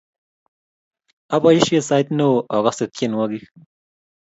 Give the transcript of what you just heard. Abaishe sait neo agase tyenwogik